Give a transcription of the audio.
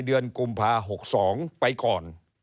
ในเดือนกุมภาพันธ์๖๒ไปก่อน